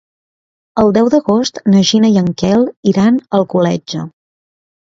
El deu d'agost na Gina i en Quel iran a Alcoletge.